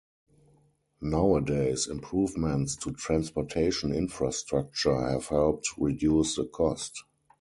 Nowadays, improvements to transportation infrastructure have helped reduce the cost.